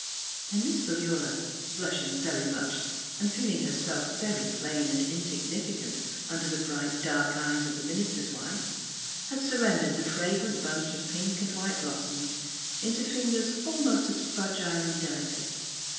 And Miss Philura, blushing very much, and feeling herself very plain and insignificant under the bright dark eyes of the minister's wife, had surrendered the fragrant bunch of pink and white blossoms into fingers almost as fragile and deli cate.